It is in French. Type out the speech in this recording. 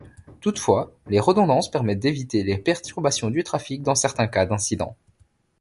Toutefois, les redondances permettent d’éviter les perturbations du trafic dans certains cas d’incident.